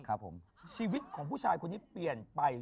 ชีวิตของผู้ชายคนนี้เปลี่ยนไป